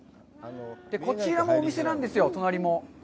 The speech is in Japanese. こちらもお店なんですよ、隣も。